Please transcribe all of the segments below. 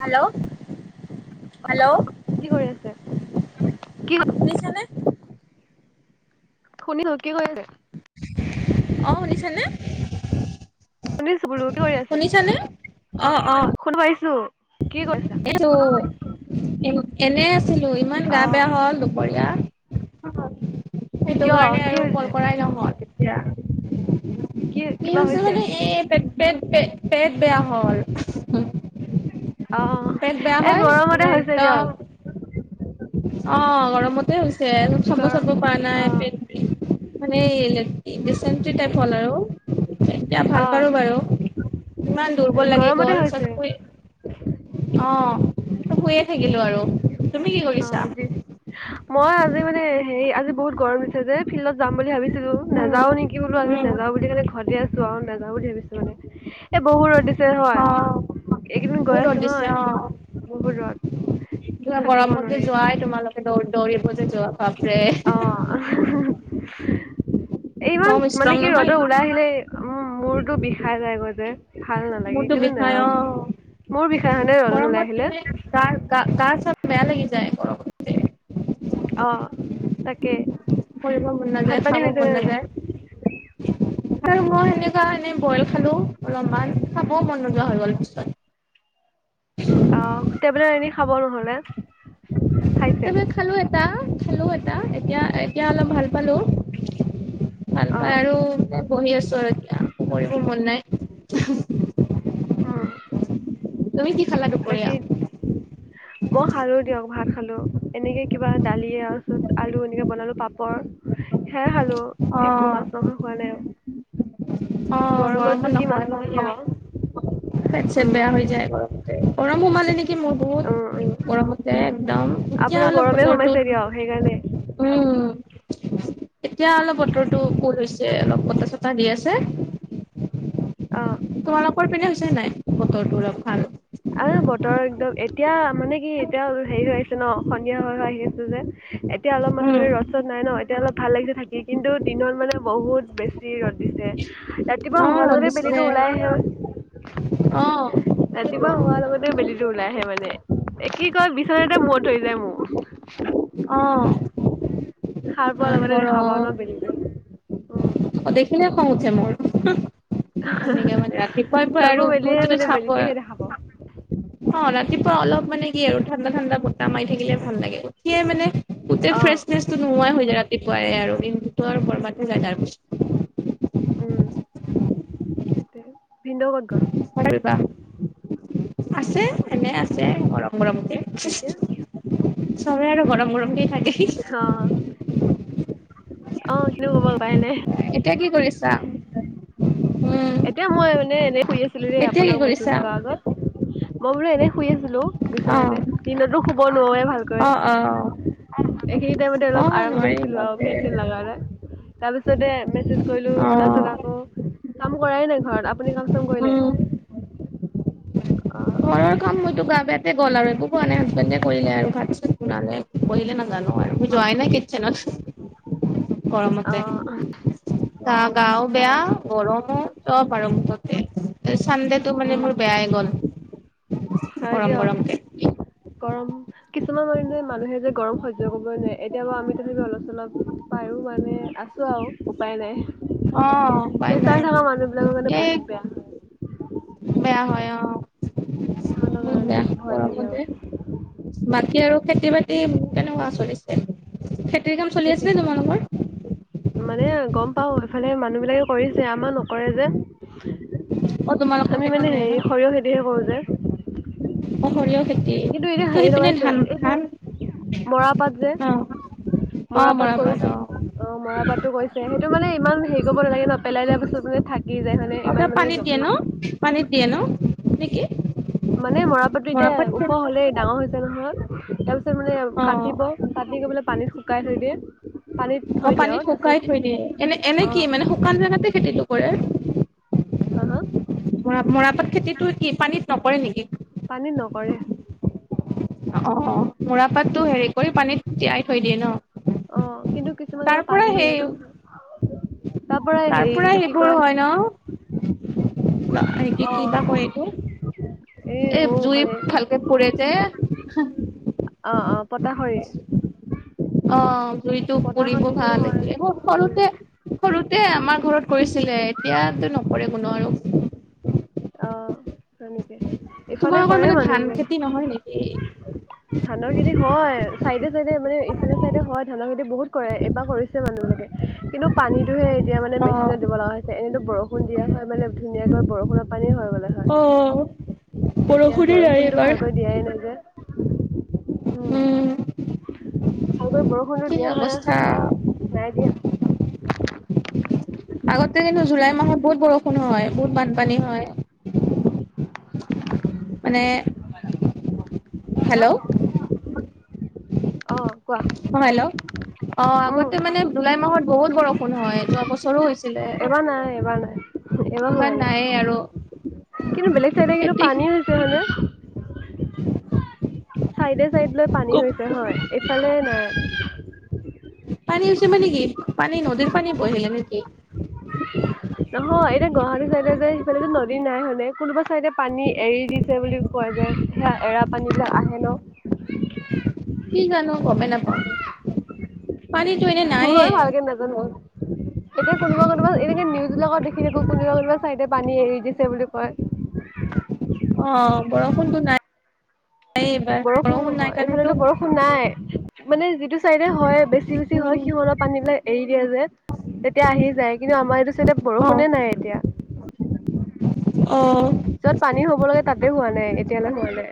Hello hello অ', কি কৰি আছে? কি শুনিছেনে? শুনিলো কি কৈছে? অ শুনিছানে? শুনিছো বলো কি কৰি আছ, শুনিছানে? অ অ শুন পাইছো কি কৰি আছা? এ এনে আছিলো ইমান গা অহ বেয়া হল দোপৰি সেইটো কিয় কাৰণে কি আৰু কল হৈছে? কৰাই নহয় তেতিয়া কি কিবা নিচ হৈছে? গান এ। পেটে পেট বেয়া হল অহ পেত বেয়া এই হয় গৰমতে মানে হৈছে একদম। দিয়ক। অ গৰমতে হৈছে চম্ব গৰম চম্ব প নাই অহ পন মানে টাইপ হ'ল আৰু এতিয়া ভাল অহ পাৰো বাৰু ইমান দুৰ্বল লাগি গৰমতে গ'ল হৈছে। চবক অ শুয়ে থাকিলো আৰু তুমি কি কৰিছা? অজি মই আজি মানে হেৰি আজি বহুত গৰম হৈছে যে ফিল্ডত যাম বুলি ভাবিছো। লো উম নাযাও নেকি বোলো আজি, উম নেজাও বুলি কে ঘতে আসু আৰু না বুলি ভাবিছো মানে এই বহুত ৰদ দিছে হয় অ এইকেইদিন গৈ বহুত আছো ৰ'দ দিছে নহয় অ বহুত দূৰত থ গৰমত যে যোৱাই তোমালোকে দৌ দৌৰিব যে যোৱা। বাপৰে অ ইমান কম ষ্ট্ৰং মানে কি নহয় ৰ'দত ওলাই আহিলে। উ মোৰতো বিষাল যায় গ' যে ভাল নালাগে মোৰতো সেইকাৰণে বিষায় নাযাও অ। বোলো মোৰ বিষাই হয়নে ৰ'দত ওলাই গৰমৰ আহিলে মানে গাৰ চাৰ বেয়া লাগি যায়, গৰমত যে অ তাকে কৰিব মন ভাত নাযায় পানী খাব খাইছে নে মন নাই নাযায় আৰু মই সেনেকা এনে বইল খালো অলপমান চাব মন নোযোৱা হৈ গ'ল পিছত অ টেবলেট আনি খাব ৰ নহলে? খাইছে টেবলেট খালো এটা, খালো এটা, এতিয়া এতিয়া অলপ ভাল পালো। ভাল অ পাই আৰু বহি আছো আৰু এতিয়া আ কৰিব মন নাই। হম। তুমি কি খালা দুপৰীয়া? লেকিন মই খালো দিয়ক ভাত খালো এনেকে কিবা দালিয়ে আৰু পিত আলু এনেকে বনালো পাপৰ হে খালো অ একো মাছ নহয় হোৱা নাই। অ গৰমতনো গৰমত কি নহয় মাছ ব মাংস বিয়া খাব পেট চেট উম বেয়া হৈ যায় গৰ গৰম সোমালে নেকি মোৰ বহুত উম উম গৰমতে একদম এতিয়া আপোনাৰ অলপ গৰমে বতৰটো সোমাইছে দিয়ক সেইকাৰণে উম এতিয়া অলপ বতৰটো কল হৈছে অলপ বটা চটা দি আছে অ তোমালোকৰ পিনে হৈছে নাই বতৰটো অলপ ভাল আ বতৰ একদম এতিয়া মানে কি এতিয়া হেৰি হৈ আছে ন সন্ধিয়া হৈ হৈ আহি আছে যে এতিয়া অলপ মান উম মানে ৰদ ৰদ নাই ন তেতিয়া অলপ ভাল লাগিছে থাকি কিন্তু দিনত মানে বহুত বেছি ৰ'দ দিছে ৰাতিপুৱা অ শোমোৱাৰ ৰ'দ লগতে বেলিটো দিছিলে ওলাই আহি হয় অ সেইটো কিবা হোৱাৰ লগতে বেলিটো ওলাই আহে মানে কি কয় বিচনাতে মূৰত ধৰি যায় মোৰ অ সাৰ পোৱাৰ ইমান লগতে দেখা পাঁও ন বেলি টো উম অ দেখিলে খং উঠে মোৰ সনেকে মানে ৰাতিপুৱাই পুৱাই চকু আৰু মেলিয়ে মানে চাব বেলিটোহে দেখা পাওঁ অ ৰাতিপুৱা অলপ মানে কি আৰু ঠাণ্ডা ঠাণ্ডা বতটা মাৰি থাকিলে ভাল লাগে উঠিয়ে মানে গোটেই অঁ ফ্ৰেচনেছ নোহোৱাই হৈ যায় ৰাতিপুৱাই আৰু কিন্তুতো আৰু কৰবাতে যায় তাৰ পিছত সেইটো ভিনদৌ কত গল কৰিবা আছে এনে আছে গৰম গৰম দে এতিয়া চবে আৰু গৰম গৰমকেই থাকে। অ আহ কি কব উপা ই নাই। এতিয়া কি কৰিছা? উম এতিয়া মই মানে এনে শুই আছিলো দেই এতিয়া কি আপোনাক মেছেজ কৰিছা কৰা আগত মই বোলো এনেই শুই আছিলো অ বিচনাতে দিনতো শুব নোৱাৰেই ভালকৈ অ অ এইখিনি টাইমতে অ অলপ আৰাম নোৱাৰি কৰিছিলো আৰু বাপৰে ফেন চেন লগাই লৈ তাৰ পিছতে মেচেজ কৰিলো অ তাছত আকৌ কাম কৰাই নাই ঘৰত আপুনি কাম চাম কৰিলে উম অ ঘৰৰ কাম মইতো গা বেয়াতে গ'ল আৰু একো কোৱা নাই হাজবেণ্ডে কৰিলে আৰু ভাত চ বনালে অ বহিলে না। [unintelligible] অ গৰমতে অ গা গাও অ বেয়া গৰমো চব আৰু মুঠতে চানডেটো মানে উম মোৰ বেয়াই গ'ল। হয় দিয়ক পৰম্পৰম গৰম কিছুমান মানে মানুহে যে গৰম সহ্য কৰিবই নোৱাৰে এতিয়া বা আমি তো অলপ চলপ পাৰো। মানে আছো আৰু উপায় নাই। অ উপায় নাই প্ৰেছাৰ থকা মানুহ বিলাকৰ মানে এই বহুত বেয়া হয়। বেয়া হয় অ। সিহতৰ বহুত কাৰণে বেয়া ভয় লাগে গৰমতে আৰু বাকী আৰু খেতি বাতি কেনেকুৱা চলিছে? কাম চলি খেতি আছিলে তোমালোকৰ মানে গম পাও এইফালে মানুহ বিলাকে কৰিছে আমাৰ নকৰে যে অ তোমালোকৰ আমি খেতি মানে নাই হে ন সৰিয়হ খেতিহে কৰো যে অ কৰি কিন্তু এনে হেৰি লগাইছে এই যে মৰা পাত যে অ অ মৰাপাট কৰিছে অ অ মৰাপাটটো কৰিছে সেই এইটো মানে ইমান হেৰি কৰিব নাগে পেলাই দিয়া বস্তু মান থাকে। আগে পানীত দিয়ে ন পানীৰত দিয়ে ন নে কি? মানে মৰা পাতোঁ এতিয়া ওখ হলেই ডাঙৰ হৈছে নহয়। তাৰ পিছত মানে অ কাটিব কাটিলে পানীত শুকাই থৈ দিয়ে। পানীত অ থৈ দিয়ে পানীত আৰু তাৰপিছত শুকাই থৈ দিয়ে এনে এনে অ কি মানে শুকান জেগাতে খেতিতটো কৰে। হা হ? মৰা মৰাপাট খেতিটো কি পানীত নকৰে নেকি? পানী নকৰে। অ মৰা পাতটো হেৰি কৰি পানীত তিয়াই থৈ দিয়ে ন। অ কিন্তু তাৰ কিছুমানৰ পৰা পানী সেই হৈ যায়। তাৰ পৰা হেৰি এইটো কি কয়। এ অ কি বা কয় এইটো। এই মোৰ জুই মুখতে ফালকে পুৰে যে। অ অ পতা শৰি অ জুইতো পুৰিব হয়। ভালকে উম সৰুতে সৰুতে। এ আমাৰ ঘৰত কৰিছিলে এতিয়াতো নকৰে কোনো আৰু আহ তেনেকে ইফালে তোমালোকৰ কৰে মানে মানুহ ধান খেতি নহয় নেকি? বিলাকে। ধানৰ খেতি হয় চাইডে চাইডে মানে ইফালে চাইডে হয় ধানৰ খেতি বহুত। কৰে কৰিছে মানুহ বিলাকে কিন্তু পানীতটোহে এতিয়া মানে অ' মেচিনত দিব লগা হৈছে এনেতো বৰষুণ দিয়া হয় মানে। ধুনীয়াকৈ বৰষুণত। পানী হৈ গ'লে হয় অ' এতিয়া বৰষুণে নাই বৰষুণতটো এইবাৰ। ভালকৈ দিয়াই নাই যে। উম। ভালকৈ বৰষুণো কি দিয়া হয় অৱস্থা। আৰু নাই দিয়া। আগতে কিন্তু জুলাই মাহত বহুত বৰষুণ হয় বহুত বানপানী হয়। মানে। হেল্ল' অ কোৱা। অ হেল্ল' অ উম আগতে মানে জুলাই মাহত বহুত বৰষুণ হয় যোৱা বছৰো হৈছে। এবাৰ নাই এবাৰ নাই। এবাৰ হোৱা এইবাৰ নাইয়ে আৰু নাই কিন্তু বেলেগ চাইড কিন্তু পানী খেতি হৈছে হয়নে। চাইডে চাইড লৈ পানী হৈছে হয় এইফালে নাই। পানী উ হৈছে মানে কি পানী নদীৰ পানী বঢ়িলে নেকি? অ এতিয়া গুৱাহাটী চাইডে যে সিফালে নদী নাই হয়নে কোনোবা চাইডে পানী এৰি দিছে বুলি কোৱা যায়। সেয়া এৰা পানীবিলাক আহে ন কি জানোঁ গমে নাপাওঁ। পানীতো এনে নাইয়ে মই ভালকে নাজানোঁ এতিয়া কোনোবা কোনোবা এনেকে নিউজ বিলাকৰ। সেইটোকো কোনোবা কোনোবা চাইডে পানী এৰি দিছে বুলি কয়। অ বৰষুণটো নাই। এইবাৰ বৰষুণ নাই অ কাৰণেতো এইফালেতো বৰষুণ নাই মানে যিটো। চাইডে হয় বেছি বেছি উম হয় সিহঁতৰ পানী বিলাক এৰি দিয়া যায়। তেতিয়া আহি যায় কিন্তু আমাৰ এইটো চাইডে অ বৰষুণে নাই এতিয়া অ য'ত পানী হ'ব লাগে তাতে হোৱা নাই এতিয়ালৈ হোৱা নাই।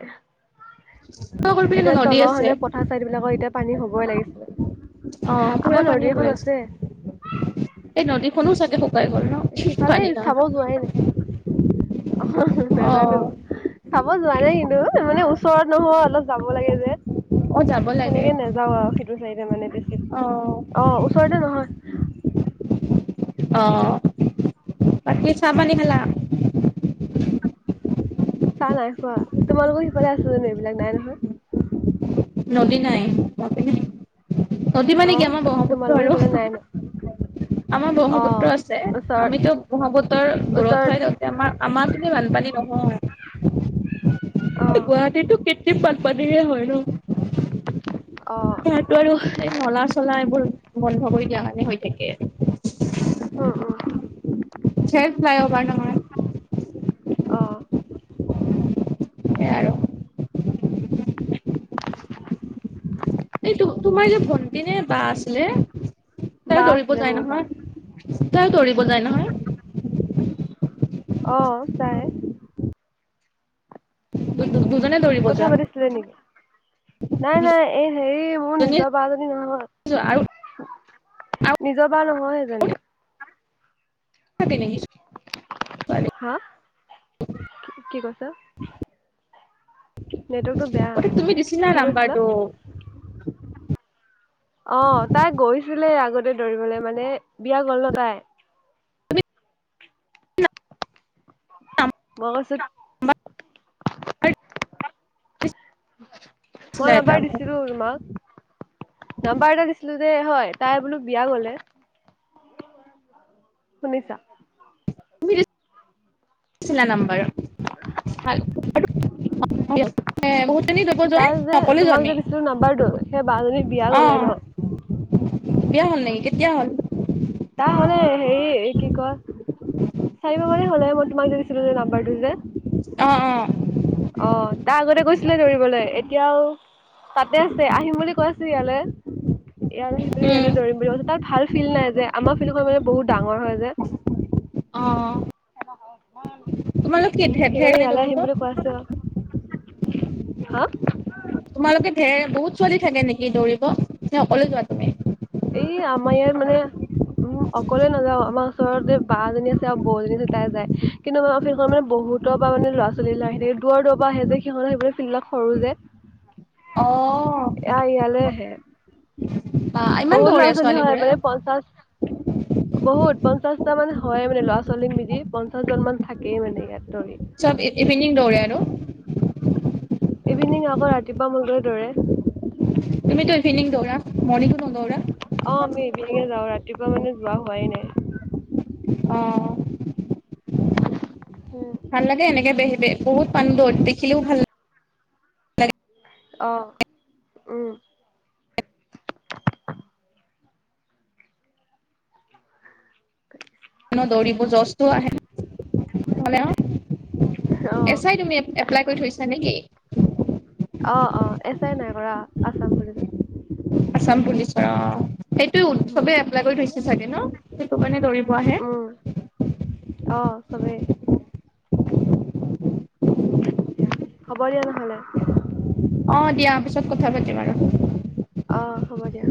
তহঁতৰ পিনে এতিয়া নদী তল আছে হয়নে পথাৰ চাইদ বিলাকৰ এতিয়া পানী হ'বই লাগিছিলে। অ পুৰা আমাৰ পানী নদী হ'ব এখন লাগিছিল আছে। এই নদীখনো চাগে। শুকাই গ'ল ন সিফালে পানী নাই চাব যোৱাই নাই। অ নাজানোঁ চাব যোৱা নাই কিন্তু তাৰমানে- ওচৰত নহয় অলপ যাব লাগে যে। অ যাব লাগে সেনেকে নাযাওঁ আৰু সেইটো চাৰিতে মানে বেছি। অ অ ওচৰতে নহয়। অ বাকী চাহ পানী খালা? চা নাই খোৱা তোমালোকৰ সিফালে আছো জানো এইবিলাক নাই নহয়। [unintelligible] নদী নাই নদী নাই নদী মান নে অ কি আমাৰ ব্ৰহ্মপুত্ৰ তোমালোকৰ আৰু, সেইফালে নাই ন আমাৰ অ ব্ৰহ্মপুত্ৰ আছে ওচৰত আমিতো ব্ৰহ্মপুত্ৰ দূৰত ওচৰত হয় ততে আমাৰ, আমাৰ কিনে বানপানী নহয় অ গুৱাহাটীতো বান পানীৰে হয় ন অ সিহতো আৰু এই নলা চলা বন্ধ কৰি দিয়া মানে হৈ থাকে উ উ যে ফ্লাই অভাৰ নহয়। আহ আৰু এই তোমাৰ যে ভন্টি নে বা আছিলে তাই বা দৌৰিব আছিলে যায় মোৰ বা নহয় তাই দৌৰিব যায় নহয় অ যাই ব [unintelligible] কথা পাতিছিলে নেকি‌? নাই নাই এই হেৰি মোৰ দুজনীয়ে নিজৰ বা জনী যোৱা আৰু নহয়। আৰু নিজৰ বাৰ নহয় সেইজনী‌ [unintelligible] [inaudible] কি কি কৈছ? বেয়া অতি তুমি দিছ না কি কৈছিলা নাম্বাৰটো অ তাই গৈছিলে আগতে দৌৰিবলে মানে বিয়া গ'ল ন তাই তুমি মই কৈছোঁ, নাম্বাৰ দিছিলা মই এটা নাম্বাৰ মোক দিছিলো তোমাক নাম্বাৰ এটা দিছিল যে হয় তাই বোলো বিয়া গ'লে শুনিছা? ন্বাৰু [inaudible] তাই যে তোমাক যে দিছিলো নাম্বাৰটো সেই বা জনী বিয়া অ গলে ন? বিয়া হ'ল নেকি কেতিয়া হ'ল? তাই হলে হেৰি কি কয় চাৰি মাহ মানে হ'লে এই মই তোমাক যে দিছিলো যে নাম্বাৰটো যে, অ অ ছিলে দৌৰিবলৈ এতিয়াও তাতে আছে আহিম বুলি কৈ আছে ইয়ালৈ, এয়াৰ সেইটোৱে উম এয়াতে দৌৰিম বুলি কৈছে তাত ভাল ফিল নাই যে আমাৰ ফিল মানে বহুত ডাঙৰ হয় যে, অ তোমালোক কি ধে ধেৰ সেইকাৰণে নে ইয়ালৈ দৌৰিব আহিম বুলি কৈ আছো আৰু হা তোমালোকে ঢেৰ বহুত ছোৱালী থাকে নেকি দৌৰিব, নে অকলে যোৱা তুমি? এই আমাৰ ইয়াত মানে, উম অকলে নাযাও আমাৰ ওচৰ যে বা জনী আছে আৰু বৌজনী আছে তাই যায় কিন্তু মেইখন মানে ব বহুতৰ পৰা মানে লৰা -ছোৱালী বিলাক আহি থাকে দুৱ দুৱৰ পৰা আহে যে সিহঁত সেই ফিল্ডত সৰু যে, অহ এয়া ইয়ালৈ আহে বহুত দৌৰে লছ হলে হয় ছোৱালীবোৰে মান পঞ্চাশ বহুত পঞ্চাশ হাজাৰ মান হয় মানে ল'ৰা ছোৱালীক মিলি পঞ্চাশ জন মান থাকেই মানে ইয়াত চব ইভিনিং দৌৰে আৰু ইভিনিং আকৌ ৰাতিপুৱা গৈ দৌৰে‌। তুমিতো ইভিনিং দৌৰা মৰ্ণিং অ আমি ইভিনিঙে যাও ৰাতিপুৱা মানে যোৱা হোৱাই নাই অ উম ভাল লাগে এনেকে বেহিবে বহুত পান দ'ত দেখিলেও ভাল লাগে অহ উম ন দৌৰিব জচ টো আহে। হলেও, এছ অ', আই তুমি এপ - এপ্লাই কৰি থৈছা নেকি? আচাম পুলিচত। আচাম পুলিছৰ‌ অ'। সেইটো উম, উৎসৱে এপ্লাই কৰি থৈছে চাগে ন? সেইটো কাৰণে দৌৰিব উম, আহে। অ' চবে। হব দিয়া নহলে। অ দিয়া পিছত কথা পাতিম আৰু। অ', হ'ব দিয়া।